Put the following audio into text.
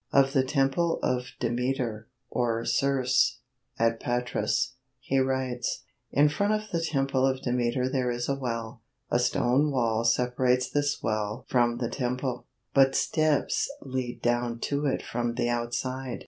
Of the Temple of Demeter, or Ceres, at Patras, he writes: In front of the temple of Demeter there is a well. A stone wall separates this well from the temple, but steps lead down to it from the outside.